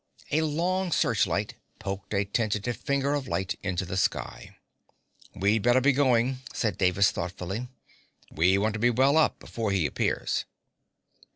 A long searchlight poked a tentative finger of light into the sky. "We'd better be going," said Davis thoughtfully. "We want to be well up before he appears."